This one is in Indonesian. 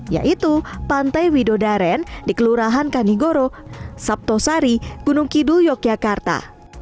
yaitu pantai widodaren di kelurahan kanigoro sabtosari gunung kidul yogyakarta